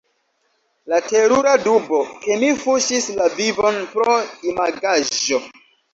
La terura dubo — ke mi fuŝis la vivon pro imagaĵo.